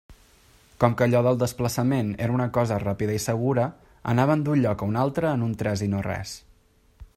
Com que allò del desplaçament era una cosa ràpida i segura, anaven d'un lloc a un altre en un tres i no res.